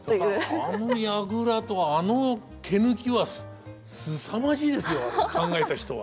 あの櫓とあの毛抜きはすさまじいですよあれ考えた人は。